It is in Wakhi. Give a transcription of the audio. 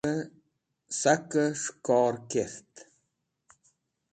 Sakey S̃hikor Kert